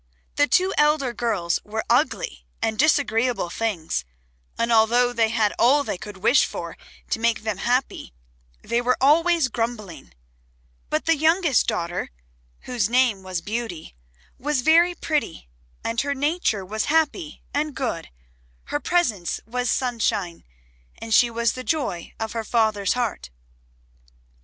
The two elder girls were ugly disagreeable things, and although they had all they could wish for to make them happy they were always grumbling; but the youngest daughter, whose name was Beauty, was very pretty, and her nature was happy and good, her presence was sunshine, and she was the joy of her father's heart.